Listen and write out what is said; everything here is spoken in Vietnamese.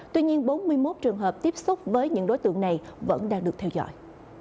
tuy nhiên bốn mươi một trường hợp tiếp xúc với những đối tượng này vẫn đang được theo dõi